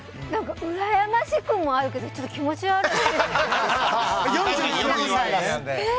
うらやましくもあるけどちょっと気持ち悪い。